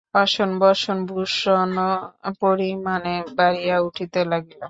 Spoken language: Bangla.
অশন বসন ভূষণও এই পরিমাণে বাড়িয়া উঠিতে লাগিল।